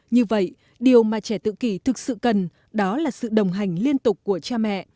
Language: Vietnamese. như vậy điều mà trẻ tự kỷ thực sự cần đó là sự đồng hành liên tục của cha mẹ